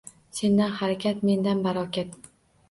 Sendan harakat mendan barokat.